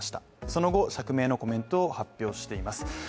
その後、釈明のコメントを発表しています。